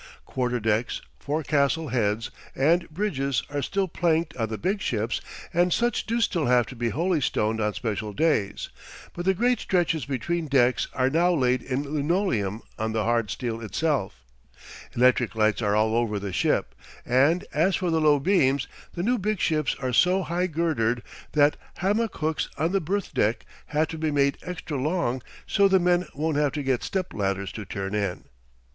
Quarter decks, forecastle heads, and bridges are still planked on the big ships, and such do still have to be holystoned on special days; but the great stretches between decks are now laid in linoleum on the hard steel itself; electric lights are all over the ship, and, as for the low beams, the new big ships are so high girdered that hammock hooks on the berth deck have to be made extra long so the men won't have to get stepladders to turn in.